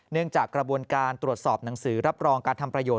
จากกระบวนการตรวจสอบหนังสือรับรองการทำประโยชน